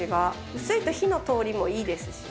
薄いと火の通りもいいですしね。